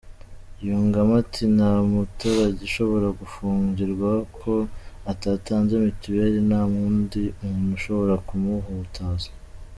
Yungamo ati "Nta muturage ushobora gufungirwa ko atatanze mitiweli nta nundi muntu ushobora kumuhutaza.